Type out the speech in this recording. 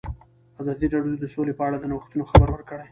ازادي راډیو د سوله په اړه د نوښتونو خبر ورکړی.